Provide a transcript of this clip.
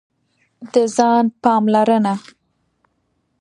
د ځان پاملرنه: